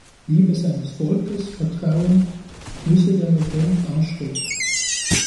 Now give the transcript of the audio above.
Liebe seines Volkes, Vertrauen müsse der Regent anstreben.